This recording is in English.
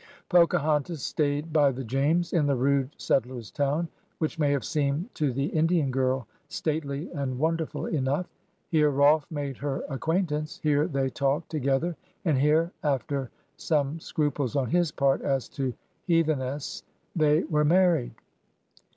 Pocahontas stayed by the James, in the rude settlers' town, which may have seemed to the In dian girl stately and wonderful enough. Here Rolfe made her acquaintance, here they talked together, and here, after some scruples on his part as to ^^heathennesse," they were married.